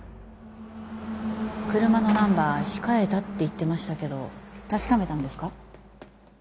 車のナンバー控えたって言ってましたけど確かめたんですか？